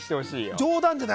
冗談じゃない。